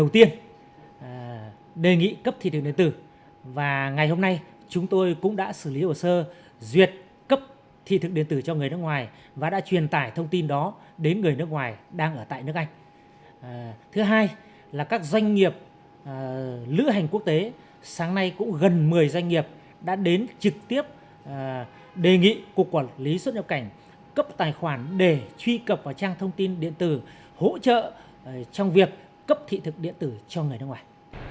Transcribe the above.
thứ hai là các doanh nghiệp lưu hành quốc tế sáng nay cũng gần một mươi doanh nghiệp đã đến trực tiếp đề nghị cuộc quản lý xuất nhập cảnh cấp tài khoản để truy cập vào trang thông tin điện tử hỗ trợ trong việc cấp thị thực điện tử cho người nước ngoài